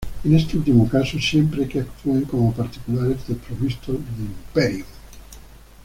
En este último caso siempre que actúen como particulares desprovistas de imperium.